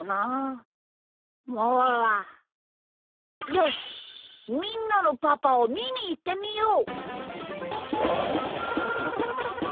よしみんなのパパをみにいってみよう！